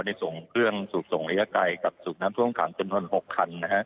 ในสูงเครื่องรียาไกรกับสูบน้ำพ่วงขัมจำฎอน๖คัน